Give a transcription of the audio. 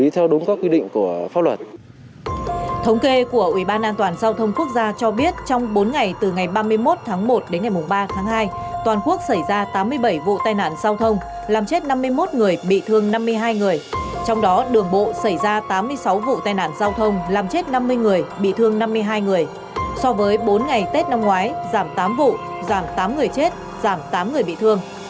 trong đó đường bộ xảy ra tám mươi sáu vụ tai nạn giao thông làm chết năm mươi người bị thương năm mươi hai người so với bốn ngày tết năm ngoái giảm tám vụ giảm tám người chết giảm tám người bị thương